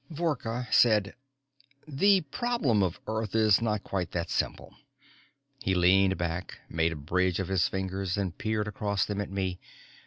Vorka said, "The problem of Earth is not quite that simple." He leaned back, made a bridge of his fingers, and peered across them at me.